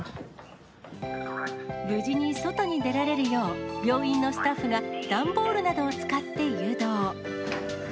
無事に外に出られるよう、病院のスタッフが段ボールなどを使って誘導。